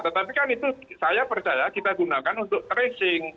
tetapi kan itu saya percaya kita gunakan untuk tracing